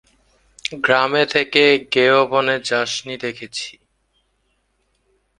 গ্রামে থেকে গেঁয়ো বনে যাসনি দেখছি।